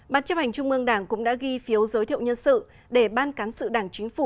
ban chấp hành trung mương đảng cũng đã ghi phiếu giới thiệu nhân sự để ban cán sự đảng chính phủ